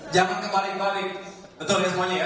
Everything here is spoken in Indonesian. jangan kembali kembali betul ini semuanya ya